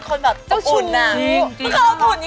ขอบคุณนะคะ